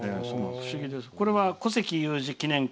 これは古関裕而記念館。